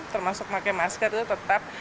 termasuk pakai masker itu tetap